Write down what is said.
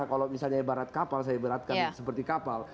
kalau misalnya saya beratkan seperti kapal